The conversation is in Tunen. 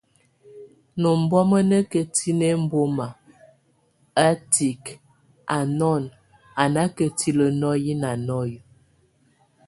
Nʼ ondɔmb a nakatin embɔmak a tík a nɔn a nákatile nɔ́ye na nɔy.